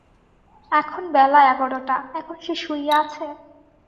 এখন বেলা এগারোটা, এখন সে শুইয়া আছে!